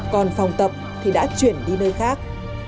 còn phòng tập thì đã chuyển đi nơi khác